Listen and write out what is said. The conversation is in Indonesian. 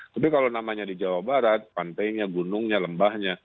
tapi kalau namanya di jawa barat pantainya gunungnya lembahnya